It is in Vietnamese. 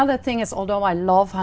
và trung tâm của các bạn